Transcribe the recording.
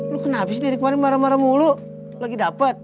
lu kena habis dari kemarin marah marah mulu lagi dapet